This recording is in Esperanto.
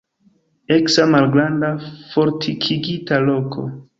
Eksa malgranda fortikigita loko.